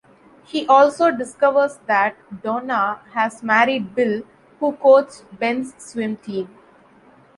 He also discovers that Donna has married Bill, who coached Ben's swim team.